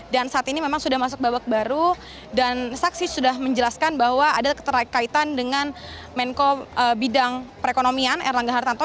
dan saat ini memang sudah masuk babak baru dan saksi sudah menjelaskan bahwa ada keterkaitan dengan menko bidang perekonomian erlangga hartarto